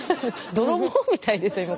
泥棒みたいですよ今。